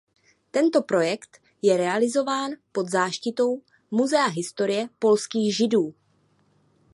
Tento projekt je realizován pod záštitou Muzea historie polských Židů.